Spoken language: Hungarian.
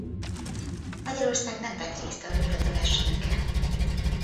Magyarország nem vett részt a röplabda versenyeken.